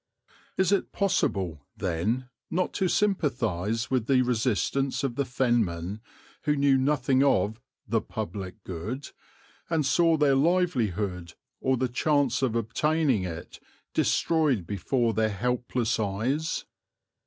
Is it possible, then, not to sympathize with the resistance of the Fenmen, who knew nothing of "the public good" and saw their livelihood, or the chance of obtaining it, destroyed before their helpless eyes.